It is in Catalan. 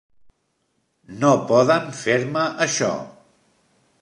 No poden fer-me això!